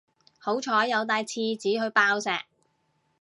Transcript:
好彩有帶廁紙去爆石